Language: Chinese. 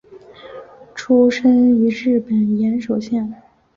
出身于日本岩手县。